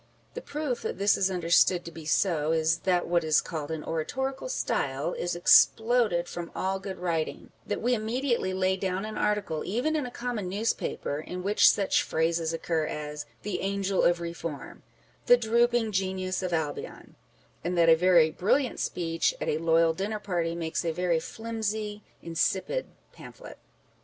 The proof that this is understood to be so, is, that what is called an oratorical style is exploded from all good writing ; that we immediately lay down an article, even in a common newspaper, in which such phrases occur as " the Angel of Eeform," " the drooping Genius of Albion ;" and that a very brilliant speech at a loyal dinner party makes a very flimsy, insipid pamphlet.